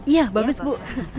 iya bagus bu